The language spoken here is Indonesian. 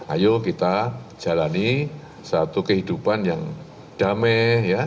ayo kita jalani satu kehidupan yang damai ya